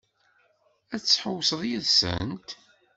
Ad tḥewwseḍ yid-sent?